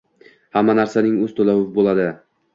Hamma narsaning o`z to`lovi bo`ladi